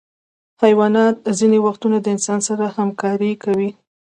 حیوانات ځینې وختونه د انسان سره همکاري کوي.